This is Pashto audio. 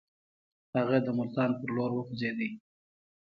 هغه د ملتان پر لور وخوځېدی.